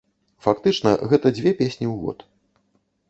Фактычна, гэта дзве песні ў год.